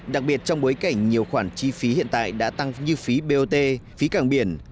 đặc biệt trong bối cảnh nhiều khoản chi phí hiện tại đã tăng như phí bot phí cảng biển